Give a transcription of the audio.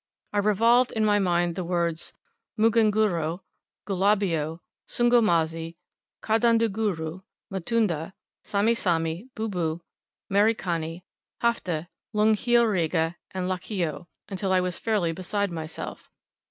I revolved in my mind the words Mukunguru, Ghulabio, Sungomazzi, Kadunduguru, Mutunda, Samisami, Bubu, Merikani, Hafde, Lunghio Rega, and Lakhio, until I was fairly beside myself.